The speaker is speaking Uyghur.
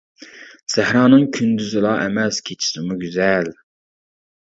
سەھرانىڭ كۈندۈزىلا ئەمەس كېچىسىمۇ گۈزەل.